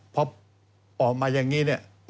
พอออกมาอย่างนี้